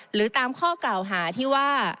หรือตามข้อกล่าวหาที่ว่า